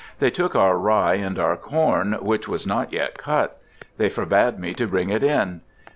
They took our rye and our corn, which was not yet cut. They forbade me to bring it in.